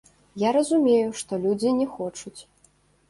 Я разумею, што людзі не хочуць.